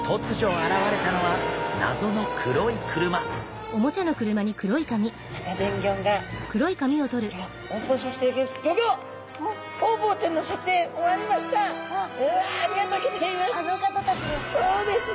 あの方たちですね。